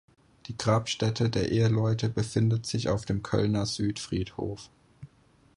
Die Grabstätte der Eheleute befindet sich auf dem Kölner Südfriedhof.